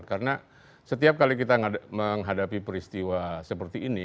karena setiap kali kita menghadapi peristiwa seperti ini